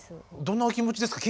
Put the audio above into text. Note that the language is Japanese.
どんなお気持ちですか？